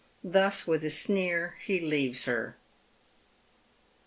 Thus, with a sneer, he leaves her.